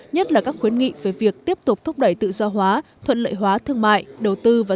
nhất là các khuyến nghị về việc tiếp tục thúc đẩy tự do hóa thuận lợi hóa thương mại đầu tư và